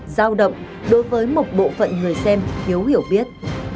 giao động đối với một bộ phận người xem thiếu hiểu biết